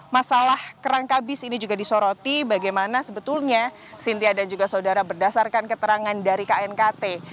masalah kerangkabis ini juga disoroti bagaimana sebetulnya cynthia dan juga saudara berdasarkan keterangan dari knkt